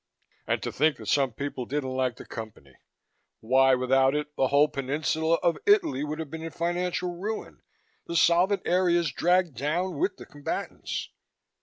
And to think that some people didn't like the Company! Why, without it, the whole peninsula of Italy would have been in financial ruin, the solvent areas dragged down with the combatants!